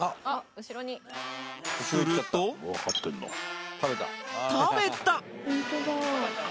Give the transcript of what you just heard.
すると食べた！